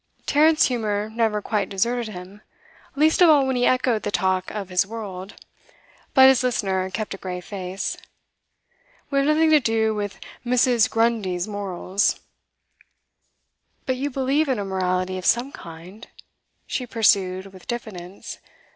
Tarrant's humour never quite deserted him, least of all when he echoed the talk of his world; but his listener kept a grave face. 'We have nothing to do with Mrs. Grundy's morals.' 'But you believe in a morality of some kind?' she pursued with diffidence.